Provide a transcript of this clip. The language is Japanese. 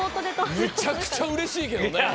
めちゃくちゃうれしいけどね。